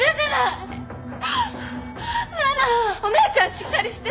しっかりして。